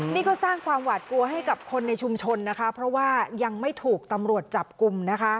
นี่ก็สร้างความหวาดกลัวให้กับคนในชุมชนนะคะเพราะว่ายังไม่ถูกตำรวจจับกลุ่มนะคะ